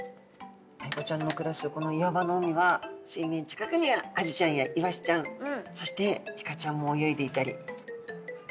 アイゴちゃんの暮らすこの岩場の海は水面近くにはアジちゃんやイワシちゃんそしてイカちゃんも泳いでいたり。